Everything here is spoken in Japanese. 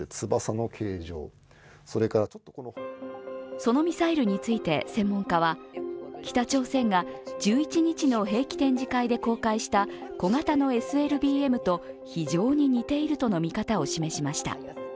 そのミサイルについて専門家は、北朝鮮が１１日の兵器展示会で公開した小型のＳＬＢＭと非常に似ているとの見方を示しました。